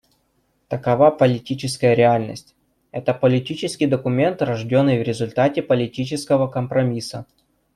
Такова политическая реальность: это политический документ, рожденный в результате политического компромисса.